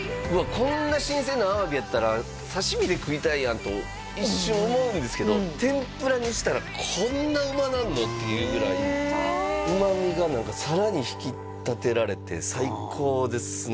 こんな新鮮なアワビやったら刺身で食いたいやんと一瞬思うんですけど天ぷらにしたらこんなうまなるの？っていうぐらい旨味が何かさらに引き立てられて最高ですね